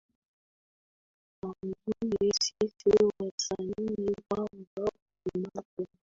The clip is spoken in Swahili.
tutambue sisi wasanii kwamba tunapo